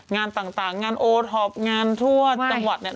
งานต่างงานโอร์ทอปงานทั่วจังหวัด